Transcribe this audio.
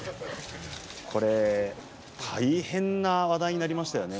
大変な話題になりましたね。